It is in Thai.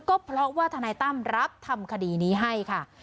ก็เพราะว่าทนายตั้มรับทำคดีนี้ให้ค่ะ